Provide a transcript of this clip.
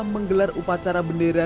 menggelar upacara bendera